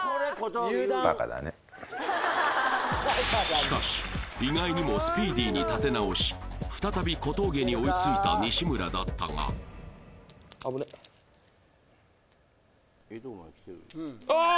しかし意外にもスピーディーに立て直し再び小峠に追いついた西村だったがああ！